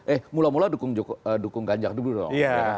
eh mula mula dukung ganjar dulu dong